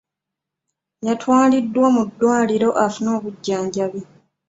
Yatwaliddwa mu ddwaliro afune obujjanjabi.